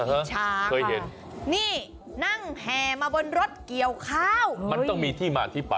ช้างเคยเห็นนี่นั่งแห่มาบนรถเกี่ยวข้าวมันต้องมีที่มาที่ไป